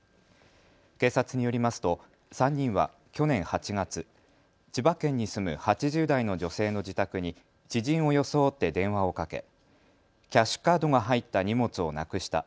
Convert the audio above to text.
警察によりますと３人は去年８月、千葉県に住む８０代の女性の自宅に知人を装って電話をかけキャッシュカードが入った荷物をなくした。